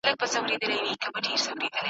خوشالي لکه بلوړ داسي ښکاریږي ,